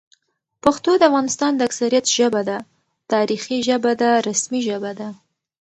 پښتو د افغانستان د اکثریت ژبه ده، تاریخي ژبه ده، رسمي ژبه ده